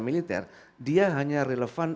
militer dia hanya relevan